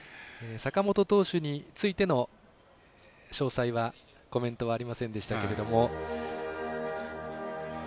坂本投手についての詳細はコメントはありませんでしたけれども。